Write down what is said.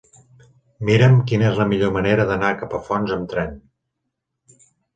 Mira'm quina és la millor manera d'anar a Capafonts amb tren.